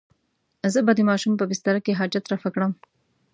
زه به د ماشوم په بستره کې حاجت رفع کړم.